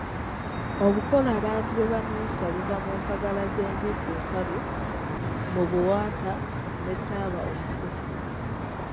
"Obugolo abantu bwe banuusa buva mu mpagala z’embidde enkalu, mu buwata ne mu taaba omuse."